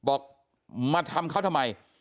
บอกมาทำเขาทำไม